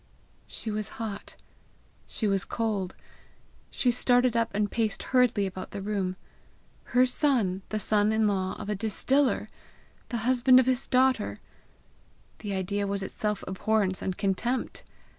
She was hot, she was cold; she started up and paced hurriedly about the room. Her son the son in law of a distiller! the husband of his daughter! The idea was itself abhorrence and contempt!